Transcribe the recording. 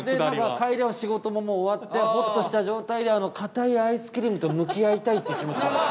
帰りは仕事ももう終わってほっとした状態であのかたいアイスクリームと向き合いたいっていう気持ちなんです。